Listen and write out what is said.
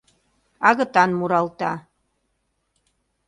Агытан муралта.